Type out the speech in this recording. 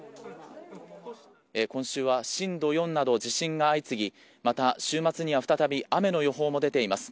今週は震度４などの地震が相次ぎまた、週末には再び雨の予報も出ています。